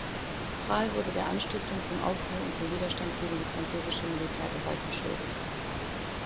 Prahl wurde der Anstiftung zum Aufruhr und zum Widerstand gegen die französische Militärgewalt beschuldigt.